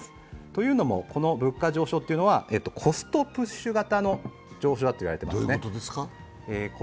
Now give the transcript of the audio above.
というのも、この物価上昇はコストプッシュ型の上昇だといわれています。